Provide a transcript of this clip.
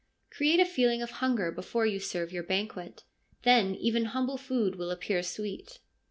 Create a feeling of hunger before you serve your banquet ; then even humble food will appear sweet.'